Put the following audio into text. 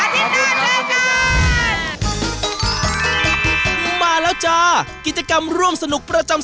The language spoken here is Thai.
ไทรัตทีวีชมสาวสิบสอง